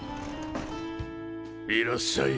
いらっしゃい。